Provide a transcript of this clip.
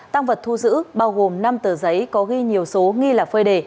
tăng vật thu giữ bao gồm năm tờ giấy có ghi nhiều số nghi là phơi đề